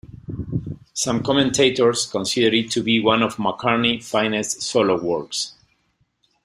Some commentators consider it to be one of McCartney's finest solo works.